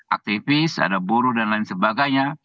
aktivis ada buruh dan lain sebagainya